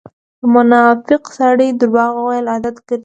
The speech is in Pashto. د منافق سړی درواغ وويل عادت ګرځئ.